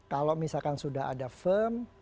kalau misalkan sudah ada firm